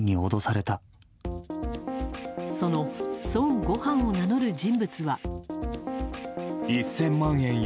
その孫悟飯を名乗る人物は。